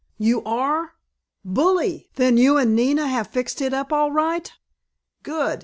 "You are? Bully! Then you and Nina have fixed it up all right? Good!